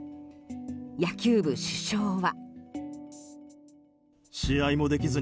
野球部主将は。